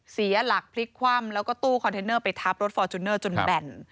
เสียหลักพลิกคว่ำแล้วก็ตู้คอนเทนเนอร์ไปทับรถฟอร์จูเนอร์จนแบ่น